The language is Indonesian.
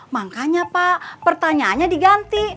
makanya pak pertanyaannya diganti